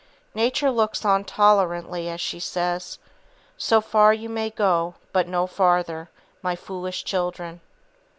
Nature looks on tolerantly as she says: "So far you may go, but no farther, my foolish children."